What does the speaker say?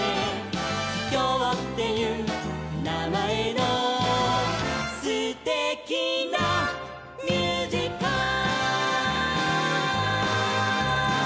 「きょうっていうなまえのすてきなミュージカル」